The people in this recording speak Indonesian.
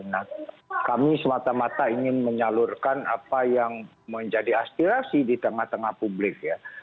nah kami semata mata ingin menyalurkan apa yang menjadi aspirasi di tengah tengah publik ya